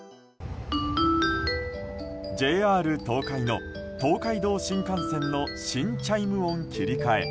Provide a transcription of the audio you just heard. ＪＲ東海の東海道新幹線の新チャイム音切り替え。